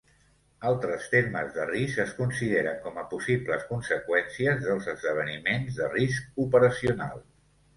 Altres termes de risc es consideren com a possibles conseqüències dels esdeveniments de risc operacional.